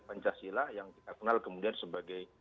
pancasila yang kita kenal kemudian sebagai